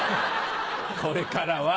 これからは。